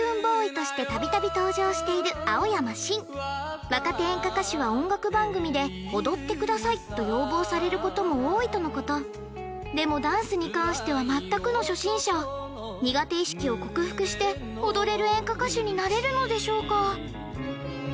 ＫａｉｕｎＢｏｙとして度々登場している青山新若手演歌歌手は音楽番組で踊ってくださいと要望されることも多いとのことでもダンスに関しては全くの初心者苦手意識を克服して踊れる演歌歌手になれるのでしょうか？